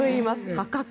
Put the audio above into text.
破格。